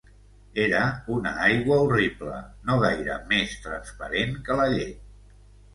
Era una aigua horrible, no gaire més transparent que la llet.